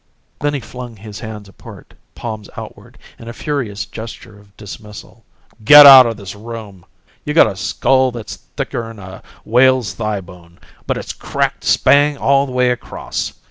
Then he flung his hands apart, palms outward, in a furious gesture of dismissal. "Get out o' this room! You got a skull that's thicker'n a whale's thigh bone, but it's cracked spang all the way across!